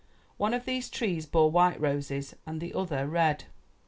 One of these trees bore white roses and the other red.